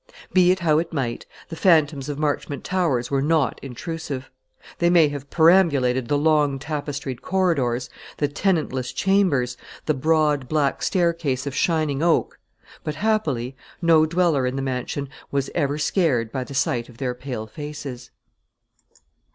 Be it how it might, the phantoms of Marchmont Towers were not intrusive. They may have perambulated the long tapestried corridors, the tenantless chambers, the broad black staircase of shining oak; but, happily, no dweller in the mansion was ever scared by the sight of their pale faces.